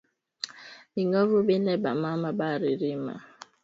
Bingovu bile ba mama bari rima biko bia butamu sana